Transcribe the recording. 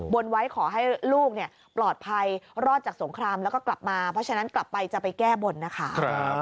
บนไว้ขอให้ลูกปลอดภัยรอดจากสงครามแล้วก็กลับมาเพราะฉะนั้นกลับไปจะไปแก้บนนะคะ